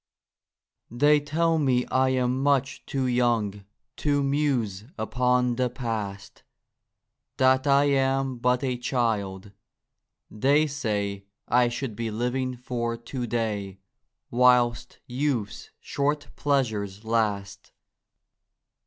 THEY tell me I am much too young To muse upon the Past — That I am but a child, they say I should be living for To day, Whilst youth's short pleasures last.